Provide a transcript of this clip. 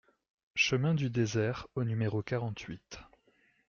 Chemin du Désert au numéro quarante-huit